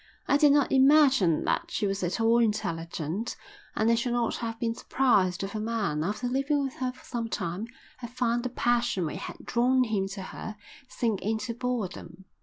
I did not imagine that she was at all intelligent, and I should not have been surprised if a man, after living with her for some time, had found the passion which had drawn him to her sink into boredom.